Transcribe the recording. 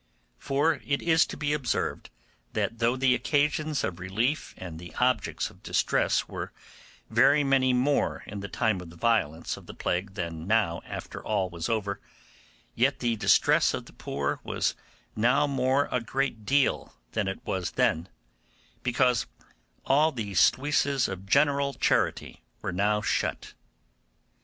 For it is to be observed, that though the occasions of relief and the objects of distress were very many more in the time of the violence of the plague than now after all was over, yet the distress of the poor was more now a great deal than it was then, because all the sluices of general charity were now shut.